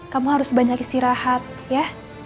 kamu harus banyak istirahat ya